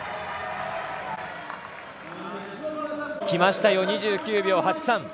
きました、２９秒８３。